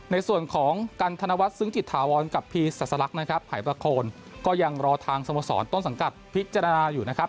ในส่วนของกันธนวัชซึ้งจิตทาวรกับพี่สัสลักให้ประโครยังรอทางสมสรต้นสังกัดพิจารณาอยู่นะครับ